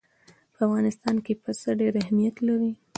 په افغانستان کې پسه ډېر اهمیت لري.